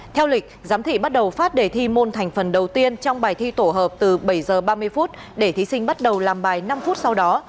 theo lịch giám thị bắt đầu phát đề thi môn thành phần đầu tiên trong bài thi tổ hợp từ bảy h ba mươi phút để thí sinh bắt đầu làm bài năm phút sau đó